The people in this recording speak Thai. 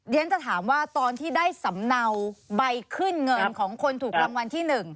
ฉันจะถามว่าตอนที่ได้สำเนาใบขึ้นเงินของคนถูกรางวัลที่๑